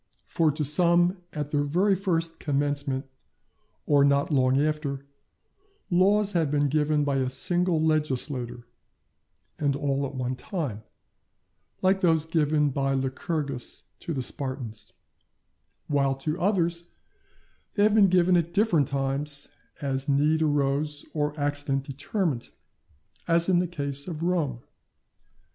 For to some at their very first commencement, or not long after, laws have been given by a single legislator, and all at one time; like those given by Lycurgus to the Spartans; while to others they have been given at different times, as need rose or accident determined; as in the case of Rome.